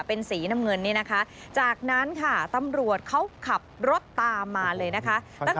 เป็นสีน้ำเงินนี่นะคะจากนั้นค่ะตำรวจเขาขับรถตามมาเลยนะคะ